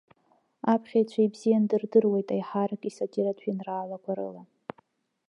Аԥхьаҩцәа ибзианы дырдыруеит аиҳарак исатиратә жәеинраалақәа рыла.